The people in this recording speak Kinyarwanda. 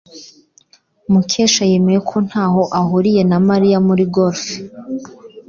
Mukesha yemeye ko ntaho ahuriye na Mariya muri golf.